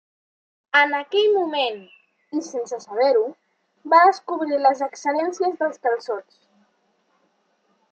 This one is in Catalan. En aquell moment, i sense saber-ho, va descobrir les excel·lències dels calçots.